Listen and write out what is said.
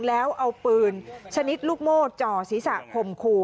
แล้วเอาปืนชนิดลูกโม่จ่อศีรษะข่มขู่